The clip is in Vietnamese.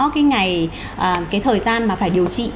cái ngày cái thời gian mà phải điều trị